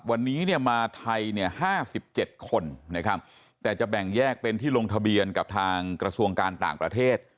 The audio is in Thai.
วันนี้เนี่ยมาไทยเนี่ย๕๗คนนะครับแต่จะแบ่งแยกเป็นที่ลงทะเบียนกับทางกระทรวงการต่างประเทศ